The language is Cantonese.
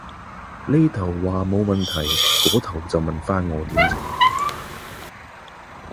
呢頭話冇問題，嗰頭就問返我點整